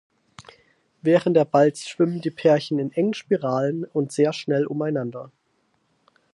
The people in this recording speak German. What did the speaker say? Während der Balz schwimmen die Pärchen in engen Spiralen und sehr schnell umeinander.